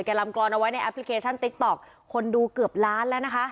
ลำกรอนเอาไว้ในแอปพลิเคชันติ๊กต๊อกคนดูเกือบล้านแล้วนะคะ